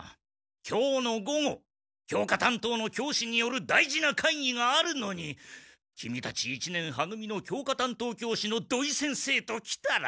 今日の午後教科担当の教師による大事な会議があるのにキミたち一年は組の教科担当教師の土井先生ときたら！